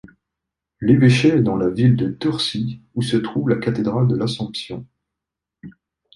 L'évêché est dans la ville de Tursi où se trouve la cathédrale de l'assomption.